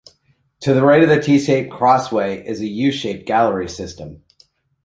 To the right of the T-shaped crossway is a U-shaped gallery system.